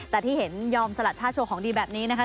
แต่ที่เห็นยอมสลัดผ้าโชว์ของดีแบบนี้นะคะ